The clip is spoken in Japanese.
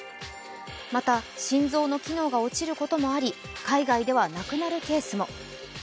また、心臓の機能が落ちることもあり海外では亡くなるケースも。